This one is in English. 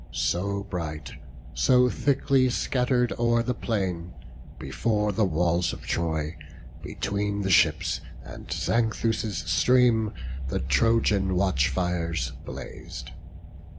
So bright, so thickly scatter'd o'er the plain, Before the walls of Troy, between the ships And Xanthus' stream, the Trojan watchfires blaz'd.